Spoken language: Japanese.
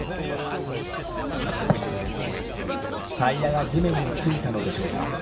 タイヤが地面についたのでしょうか。